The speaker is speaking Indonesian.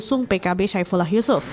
di usung pkb saifulah yusuf